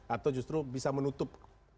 atau justru bisa menutup